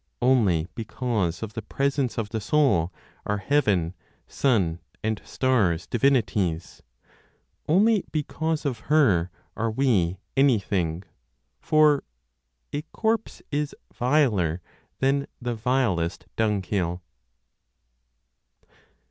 Only because of the presence of the Soul are heaven, sun, and stars divinities; only because of her are we anything; for "a corpse is viler than the vilest dung hill."